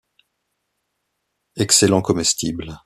Excellent comestible.